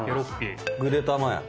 ぐでたまやん。